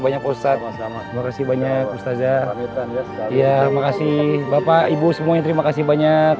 banyak ustadz terima kasih banyak ustazah ya terima kasih bapak ibu semuanya terima kasih banyak